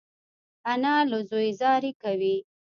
انا له زوی زاری کوي